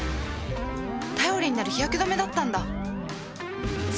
頼りになる日焼け止めだったんだ